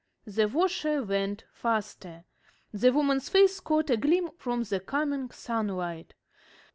The washer went faster. The woman's face caught a gleam from the coming sunlight.